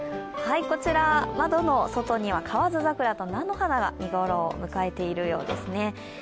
こちら、窓の外には河津桜と菜の花が見頃を迎えているようですね。